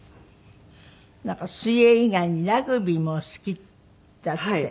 なんか水泳以外にラグビーもお好きだって？